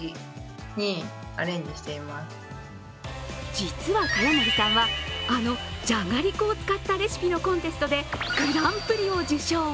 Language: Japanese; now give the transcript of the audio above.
実は栢森さんは、あのじゃがりこを使ったレシピのコンテストでグランプリを受賞！